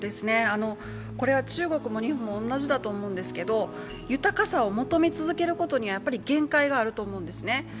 これは中国も日本も同じだと思うんですけど、豊かさを求め続けることには限界があると思うんですね。